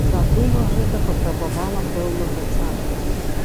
Задума гэта патрабавала пэўнага часу.